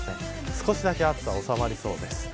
少しだけ暑さ収まりそうです。